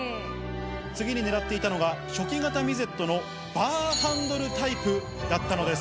次に狙っていたのが、初期型ミゼットのバーハンドルタイプだったのです。